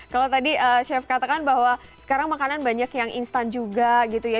kalau tadi chef katakan bahwa sekarang makanan banyak yang instan juga gitu ya